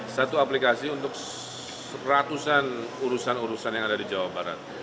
satu aplikasi untuk ratusan urusan urusan yang ada di jawa barat